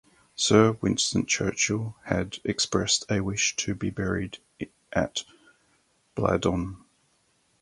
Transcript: Sir Winston Churchill had expressed a wish to be buried at Bladon.